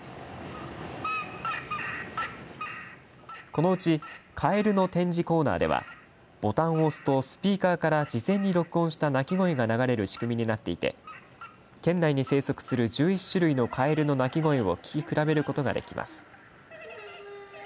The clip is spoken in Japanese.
このうちかえるの展示コーナーではボタンを押すとスピーカーから事前に録音した鳴き声が流れる仕組みになっていて県内に生息する１１種類のかえるの鳴き声を聞き比べることができます。